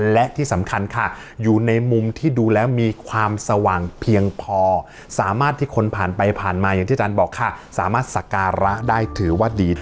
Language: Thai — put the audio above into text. และที่สำคัญค่ะอยู่ในมุมที่ดูแล้วมีความสว่างเพียงพอสามารถที่คนผ่านไปผ่านมาอย่างที่อาจารย์บอกค่ะสามารถสักการะได้ถือว่าดี